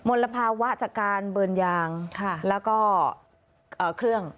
ลภาวะจากการเบิร์นยางแล้วก็เครื่อง